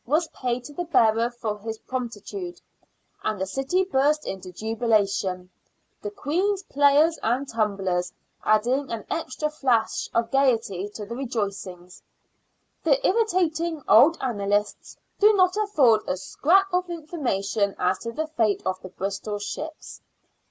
was paid to the bearer for his promptitude, and the city burst into jubilation, the Queen's " players and tumblers " adding an extra flash of gaiety to the rejoicings. The irritating old annalists do not afford a scrap of information as to the fate of the Bristol ships.